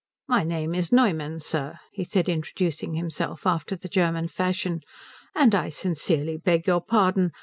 "My name is Neumann, sir," he said, introducing himself after the German fashion, "and I sincerely beg your pardon.